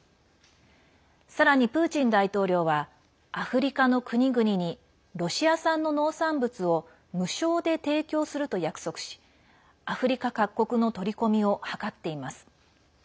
さらにプーチン大統領はアフリカの国々にロシア産の農産物を無償で提供すると約束しアフリカ各国の取り込みを図っています。